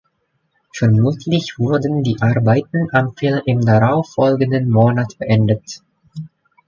Vermutlich wurden die Arbeiten am Film im darauf folgenden Monat beendet.